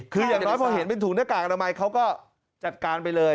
คืออย่างน้อยพอเห็นเป็นถุงหน้ากากอนามัยเขาก็จัดการไปเลย